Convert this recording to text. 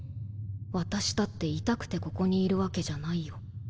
私だっていたくてここにいるわけじゃないよ。